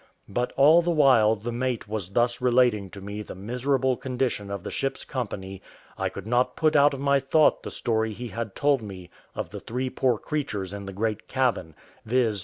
But all the while the mate was thus relating to me the miserable condition of the ship's company, I could not put out of my thought the story he had told me of the three poor creatures in the great cabin, viz.